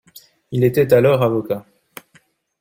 Il était alors avocat.